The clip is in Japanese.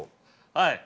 はい。